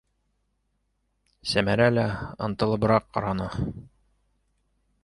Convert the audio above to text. - Сәмәрә лә ынтылыбыраҡ ҡараны.